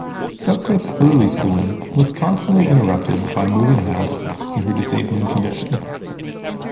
Sutcliff's early schooling was constantly interrupted by moving house and her disabling condition.